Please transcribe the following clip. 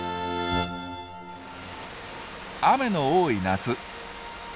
雨の多い夏。